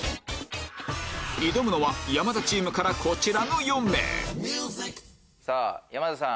挑むのは山田チームからこちらの４名山田さん